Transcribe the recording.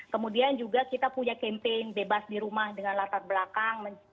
kemudian juga kita punya campaign bebas di rumah dengan latar belakang